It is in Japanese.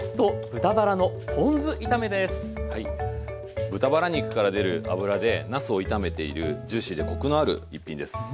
豚バラ肉から出る脂でなすを炒めているジューシーでコクのある一品です。